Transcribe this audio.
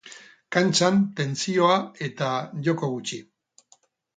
Kantxan tentsioa eta joko gutxi.